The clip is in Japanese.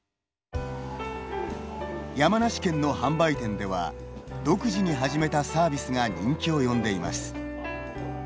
山梨県の販売店では独自に始めたサービスが人気を呼んでいます。